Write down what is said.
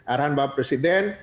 arahan bapak presiden